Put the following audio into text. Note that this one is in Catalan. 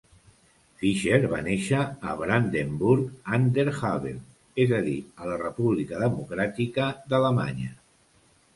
Fischer va néixer a Brandenburg an der Havel, és a dir, a la República Democràtica d'Alemanya.